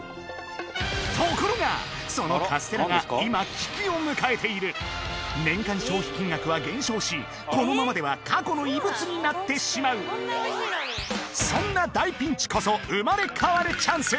そのカステラが今危機を迎えている年間消費金額は減少しこのままでは過去の遺物になってしまうそんな大ピンチこそ生まれ変わるチャンス